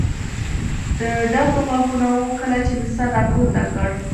د ډزو غږونه و، کله چې مې سر را پورته کړ.